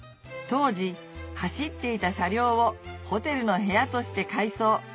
当時走っていた車両をホテルの部屋として改装